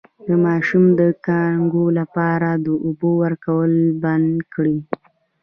د ماشوم د کانګو لپاره د اوبو ورکول بند کړئ